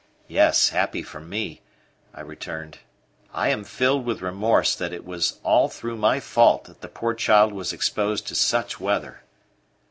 "Yes, happy for me," I returned. "I am filled with remorse that it was all through my fault that the poor child was exposed to such weather."